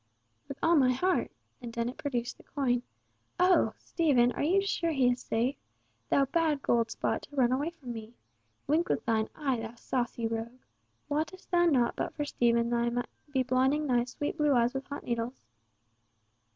"With all my heart!" and Dennet produced the coin. "Oh! Stephen, are you sure he is safe? Thou bad Goldspot, to fly away from me! Wink with thine eye—thou saucy rogue! Wottest thou not but for Stephen they might be blinding thy sweet blue eyes with hot needles?"